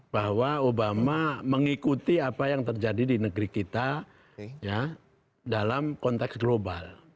bahwa obama mengikuti apa yang terjadi di negeri kita dalam konteks global